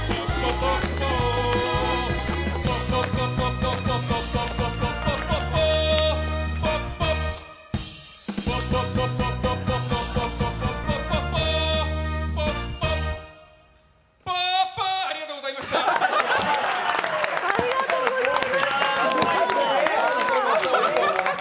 ぽっぽ！ありがとうございました。